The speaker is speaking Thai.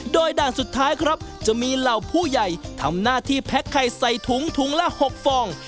โดยด่านสุดท้ายครับจะมีเหล่าผู้ใหญ่ทำหน้าที่แพ็คไข่ใส่ถุงถุงละ๖ฟอง